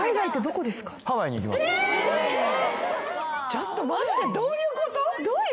ちょっと待ってどういうこと？